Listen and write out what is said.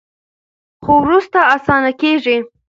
خو وروسته اسانه کیږي.